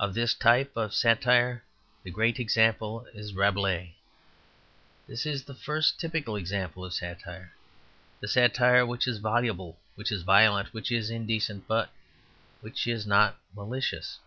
Of this type of satire the great example is Rabelais. This is the first typical example of satire, the satire which is voluble, which is violent, which is indecent, but which is not malicious.